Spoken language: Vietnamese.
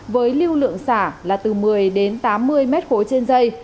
với lưu lượng xả là từ một mươi đến tám mươi mét khối trên dây